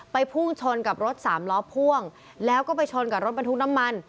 พุ่งชนกับรถสามล้อพ่วงแล้วก็ไปชนกับรถบรรทุกน้ำมัน